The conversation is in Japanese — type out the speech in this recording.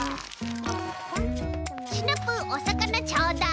シナプーおさかなちょうだい。